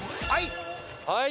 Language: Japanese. はい！